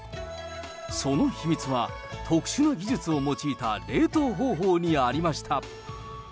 その秘密は、特殊な技術を用いた冷凍方法にありました。